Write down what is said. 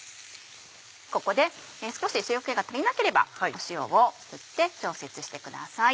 ここで少し塩気が足りなければ塩を振って調節してください。